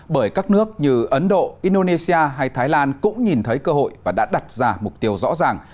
bởi các nước như ấn độ indonesia hay thái lan cũng nhìn thấy cơ hội và đã đặt ra mục tiêu rõ ràng